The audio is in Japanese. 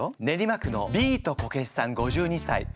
練馬区のビートコケシさん５２歳。